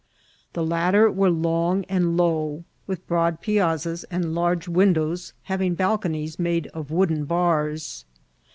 The latter were long and low, with broad piazzas and large windows, having balconies made of wooden bars.